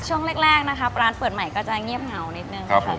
ช่วงแรกนะคะร้านเปิดใหม่ก็จะเงียบเหงานิดนึงค่ะ